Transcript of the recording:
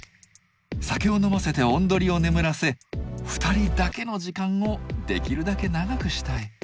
酒を飲ませておんどりを眠らせ２人だけの時間をできるだけ長くしたい。